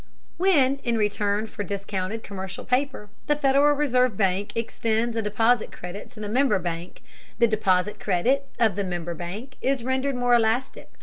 When, in return for discounted commercial paper, the Federal Reserve bank extends a deposit credit to the member bank, the deposit credit of the member bank is rendered more elastic.